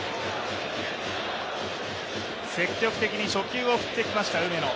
積極的に初球を振ってきました梅野。